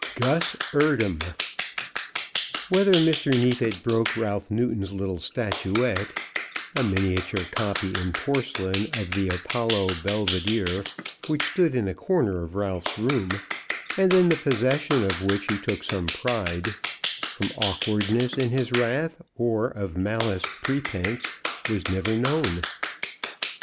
GUS EARDHAM. Whether Mr. Neefit broke Ralph Newton's little statuette, a miniature copy in porcelain of the Apollo Belvidere, which stood in a corner of Ralph's room, and in the possession of which he took some pride, from awkwardness in his wrath or of malice prepense, was never known.